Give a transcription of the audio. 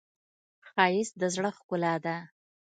ښایست د زړه ښکلا ده